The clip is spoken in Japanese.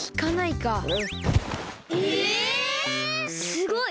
すごい！